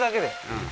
うん